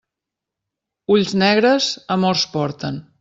Ulls negres amors porten.